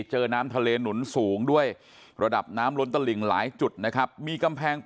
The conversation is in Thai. เจอน้ำทะเลหนุนสูงด้วยระดับน้ำล้นตลิ่งหลายจุดนะครับมีกำแพง